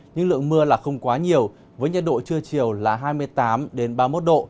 nhưng lượng mưa là không quá nhiều với nhiệt độ trưa chiều là hai mươi tám ba mươi một độ